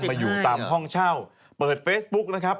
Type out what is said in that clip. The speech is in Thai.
ใช่ถูกต้องนะครับ